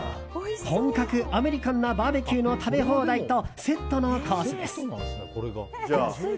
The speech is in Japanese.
本格アメリカンなバーベキューの食べ放題とセットのコースです。